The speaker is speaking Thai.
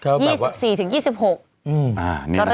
เข้าแบบว่าอใช่๒๔๒๖ตั้งแต่วันนี้เลย